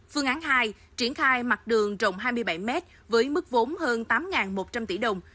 phương án hai triển khai mặt đường rộng hai mươi bảy mét với mức vốn hơn tám một trăm linh tỷ đồng